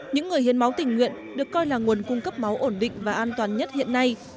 những người hiến máu tình nguyện được coi là nguồn cung cấp máu ổn định và an toàn nhất hiện nay